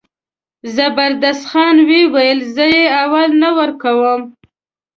زبردست خان وویل زه یې اول نه ورکوم.